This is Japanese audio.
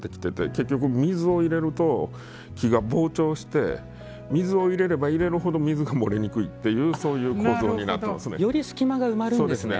結局、水を入れると木が膨張して水を入れれば入れるほど水が漏れにくいっていうそういう構造になっていますね。